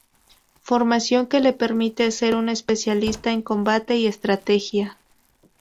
Formación que le permite ser un especialista en combate y estrategia.